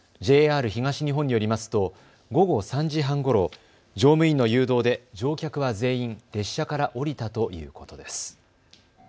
ＪＲ東日本によりますと午後３時半ごろ、乗務員の誘導で乗客は全員、列車から降りたということです。